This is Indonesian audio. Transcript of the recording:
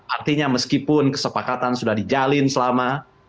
artinya meskipun kesepakatan sudah dijalin selama